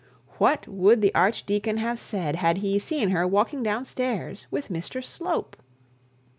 What would the archdeacon have said had he seen her walking down stairs with Mr Slope?